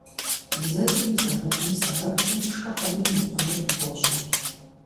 Бзэгум и зэфӀэкӀым и сэбэпкӀэ пшхы хъунури мыхъунури къыбощӀэ.